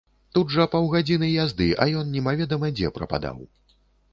Тут жа паўгадзіны язды, а ён немаведама дзе прападаў.